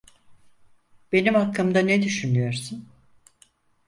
Benim hakkımda ne düşünüyorsun?